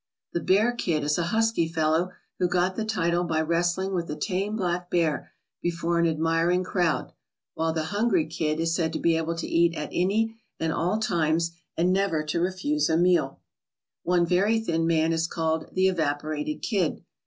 The " Bear Kid" is a husky fellow who got the title by wrestling with a tame black bear before an admiring crowd, while the "Hungry Kid" is said to be able to eat at any and all times and never to refuse a meal. One very thin man is called "the Evaporated Kid."